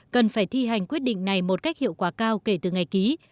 cần phải thi hành quyết định này một cách hiệu quả cao kể từ ngày ký